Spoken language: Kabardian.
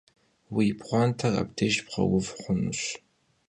Vui pxhuanter abdêjj bğeuv xhunuş.